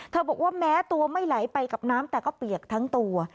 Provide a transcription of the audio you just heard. บอกว่าแม้ตัวไม่ไหลไปกับน้ำแต่ก็เปียกทั้งตัว